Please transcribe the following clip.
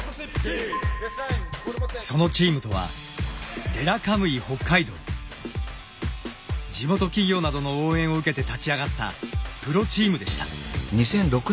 そのチームとは地元企業などの応援を受けて立ち上がったプロチームでした。